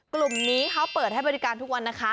กลุ่มนี้เขาเปิดให้บริการทุกวันนะคะ